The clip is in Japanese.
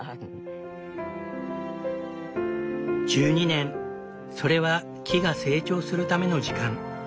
１２年それは木が成長するための時間。